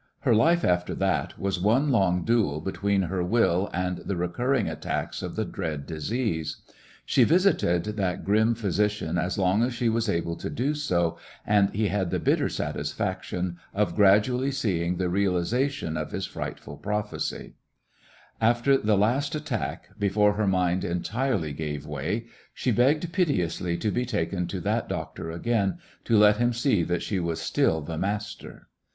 Her life after that was one long duel between her will and the recurring attacks of the dread disease. She visited that grim physician as long as she was able to do so, and he had the bitter satisfaction of gradually see ing the realization of his frightful prophecy. 29 Recollections of a After the last attack, before her mind entirely gave way, she begged piteously to be taken to that doctor again to let him see she was still the master